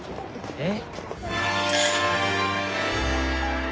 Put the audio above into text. えっ？